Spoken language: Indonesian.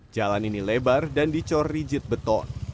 jalan ini lebar dan dicor rijit beton